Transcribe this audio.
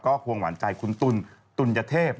ก็พวงหวันใจคุณตุ๋นตุ๋นยเทพ